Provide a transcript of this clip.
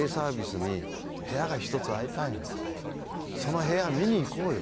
「その部屋見に行こうよ」。